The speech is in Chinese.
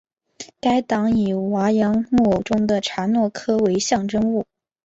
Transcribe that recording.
该党以哇扬木偶戏中的查诺科为象征物。